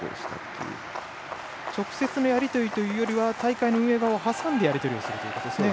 直接のやり取りというのは大会の運営を挟んでやり取りするということですね。